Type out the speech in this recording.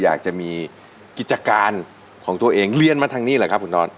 อยากจะมีกิจการของตัวเองเรียนมาทางนี้แหละครับคุณนอน